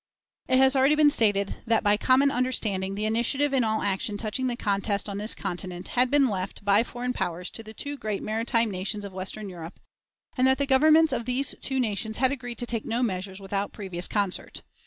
It has already been stated that, by common understanding, the initiative in all action touching the contest on this continent had been left by foreign powers to the two great maritime nations of Western Europe, and that the Governments of these two nations had agreed to take no measures without previous concert.